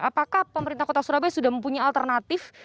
apakah pemerintah kota surabaya sudah mempunyai alternatif